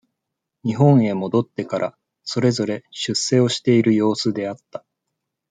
日本へ戻ってから、それぞれ、出世をしている様子であった。